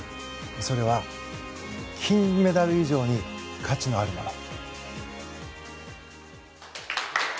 それは、金メダル以上に価値のあるもの。